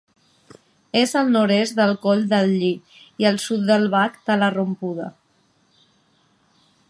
És al nord-est del Coll de Lli i al sud del Bac de la Rompuda.